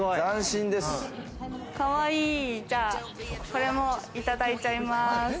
これも、いただいちゃいます。